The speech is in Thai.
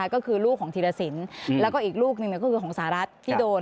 ก็คือลูกของธีรสินแล้วก็อีกลูกหนึ่งก็คือของสหรัฐที่โดน